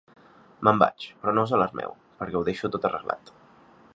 Me'n vaig, però no us alarmeu, perquè ho deixo tot arreglat